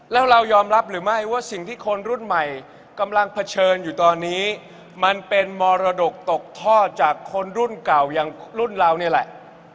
แล้วเรายอมรับหรือไม่ว่าสิ่งที่คนรุ่นใหม่กำลังเผชิญอยู่ตอนนี้มันเป็นมรดกตกท่อจากคนรุ่นเก่าอย่างรุ่นเรานี่แหละ